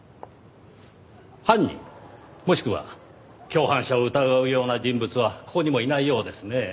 犯人もしくは共犯者を疑うような人物はここにもいないようですねぇ。